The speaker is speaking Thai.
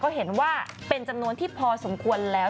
ก็เห็นว่าเป็นจำนวนที่พอสมควรแล้ว